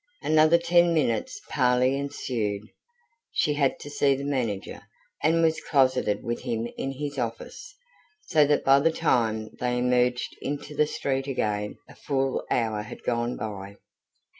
Another ten minutes' parley ensued; she had to see the manager, and was closeted with him in his office, so that by the time they emerged into the street again a full hour had gone by.